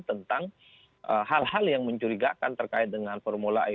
tentang hal hal yang mencurigakan terkait dengan formula e